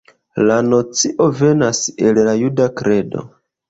La nocio venas el la juda kredo.